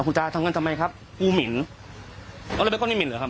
คุณจ๋าทำไว้กันน่ะครับกูหมินเอาละไปก้อนไม่หมินเหรอครับ